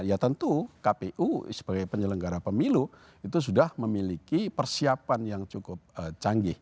ya tentu kpu sebagai penyelenggara pemilu itu sudah memiliki persiapan yang cukup canggih